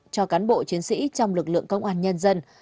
cho cán bộ chiến sĩ trong lực lượng công an nhân dân